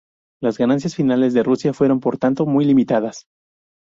Las ganancias finales de Rusia fueron por tanto muy limitadas.